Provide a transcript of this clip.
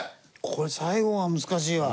これ最後が難しいわ。